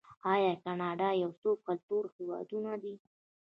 آیا کاناډا یو څو کلتوری هیواد نه دی؟